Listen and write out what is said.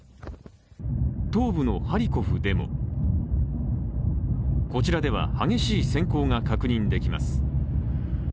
東部のハリコフでもこちらでは、激しいせん光が確認できます。